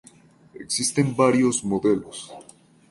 Existen varios modelos.